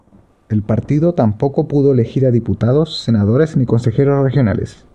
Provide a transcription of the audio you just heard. El partido tampoco pudo elegir a diputados, senadores, ni consejeros regionales.